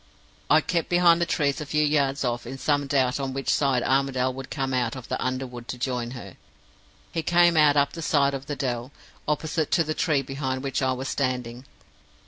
I kept behind the trees a few yards off, in some doubt on which side Armadale would come out of the under wood to join her. He came out up the side of the dell, opposite to the tree behind which I was standing.